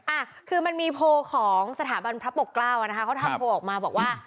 อ่ะคือมันมีโพลของสถาบันพระปกเกล้าอ่ะนะคะเขาทำโพลออกมาบอกว่า